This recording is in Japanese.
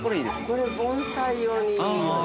◆これ、盆栽用にいい。